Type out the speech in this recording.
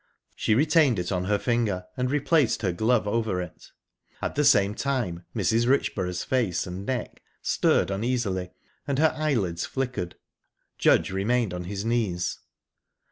She retained it on her finger and replaced her glove over it. At the same time, Mrs. Richborough's face and neck stirred uneasily, and her eyelids flickered. Judge remained on his knees.